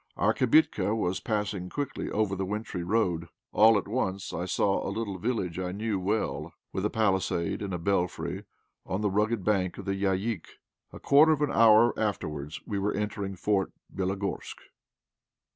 Our "kibitka" was passing quickly over the wintry road. All at once I saw a little village I knew well, with a palisade and a belfry, on the rugged bank of the Yaïk. A quarter of an hour afterwards we were entering Fort Bélogorsk.